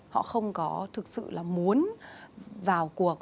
họ không có thực sự là muốn vào cuộc